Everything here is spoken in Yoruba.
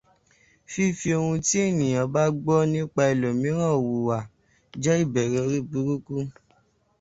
Fífi ohun tí èèyàn bá gbọ́ nípa ẹlòmíràn wùwà jẹ́ ìbẹ̀rè orí-burúkú.